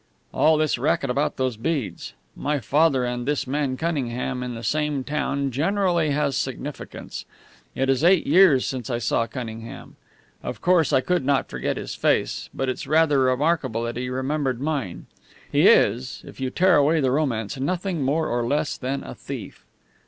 "All this racket about those beads. My father and this man Cunningham in the same town generally has significance. It is eight years since I saw Cunningham. Of course I could not forget his face, but it's rather remarkable that he remembered mine. He is if you tear away the romance nothing more or less than a thief."